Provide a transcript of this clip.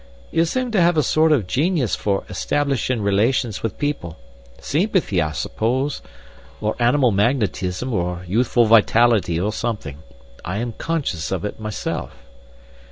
"You seem to have a sort of genius for establishing relations with people seempathy, I suppose, or animal magnetism, or youthful vitality, or something. I am conscious of it myself."